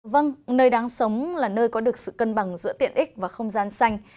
vâng nơi đáng sống là nơi có được sự cân bằng giữa tiện ích và không gian xanh